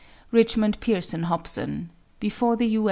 RICHMOND PEARSON HOBSON, _Before the U.